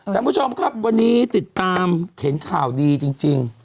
ท่านผู้ชมครับวันนี้ติดตามเห็นข่าวดีจริง